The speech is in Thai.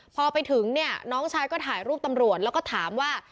พอไปถึงเนี่ยน้องชายก็ถ่ายรูปตำรวจแล้วก็ถามว่า